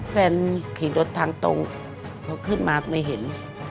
ขี่รถทางตรงพอขึ้นมาไม่เห็น